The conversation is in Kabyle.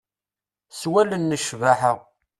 S wallen n ccbaḥa.